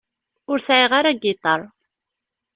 Ur sεiɣ ara agiṭar.